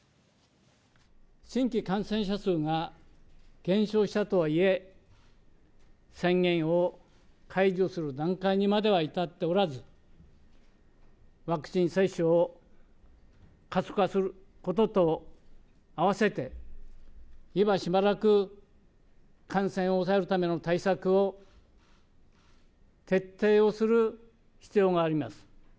新規感染者数が減少したとはいえ、宣言を解除する段階にまでは至っておらず、ワクチン接種を加速化することと併せて、今しばらく、感染を抑えるための対策を徹底をする必要があります。